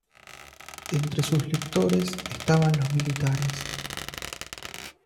Entre sus lectores estaban los militares.